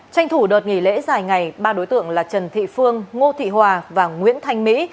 tranh thủ đợt nghỉ lễ dài ngày ba đối tượng là trần thị phương ngô thị hòa và nguyễn thanh mỹ